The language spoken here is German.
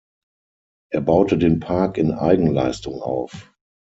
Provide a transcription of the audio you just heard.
Er baute den Park in Eigenleistung auf.